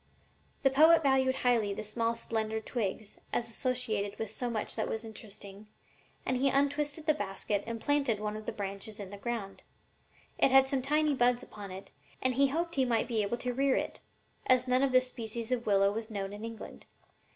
'The poet valued highly the small slender twigs, as associated with so much that was interesting, and he untwisted the basket and planted one of the branches in the ground. It had some tiny buds upon it, and he hoped he might be able to rear it, as none of this species of willow was known in England.